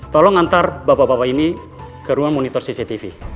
tolong antar bapak bapak ini ke ruang monitor cctv